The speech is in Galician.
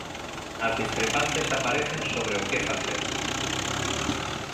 As discrepancias aparecen sobre o que facer.